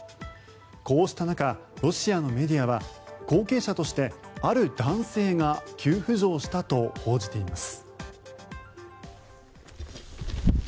こうした中、ロシアのメディアは後継者として、ある男性が急浮上したと報じています。